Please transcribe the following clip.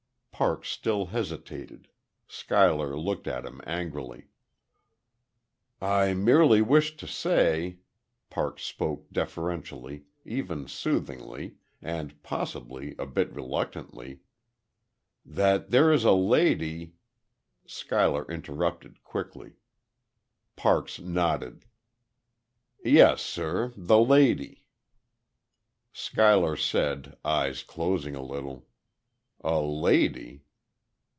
Parks still hesitated. Schuyler looked at him angrily. "I merely wished to say," Parks spoke deferentially, even soothingly, and possibly a bit reluctantly, "that there is a lady " Schuyler interrupted, quickly. Parks nodded. "Yes, sir. The lady." Schuyler said, eyes closing a little: "A lady."